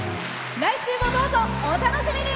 来週もどうぞお楽しみに！